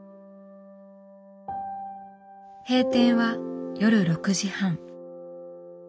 閉店は夜６時半。